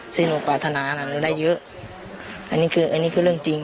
ซึ่งหนูปรัฐนาหนูได้เยอะอันนี้คือเรื่องจริง